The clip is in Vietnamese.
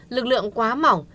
lực lượng quá mỏng